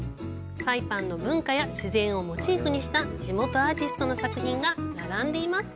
サイパンの文化や自然をモチーフにした地元アーティストの作品が並んでいます。